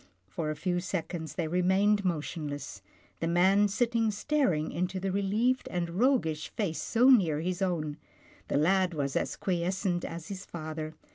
For a few seconds, they remained motion less — the man sitting staring into the relieved and roguish face so near his own. The lad was as quiescent as his father.